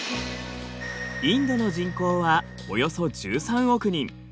インドの人口はおよそ１３億人。